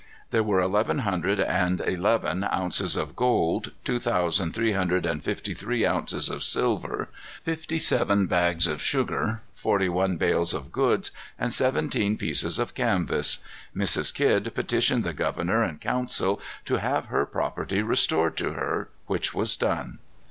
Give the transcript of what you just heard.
There were eleven hundred and eleven ounces of gold, two thousand three hundred and fifty three ounces of silver, fifty seven bags of sugar, forty one bales of goods, and seventeen pieces of canvas. Mrs. Kidd petitioned the governor and council to have her property restored to her, which was done.